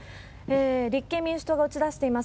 立憲民主党が打ち出しています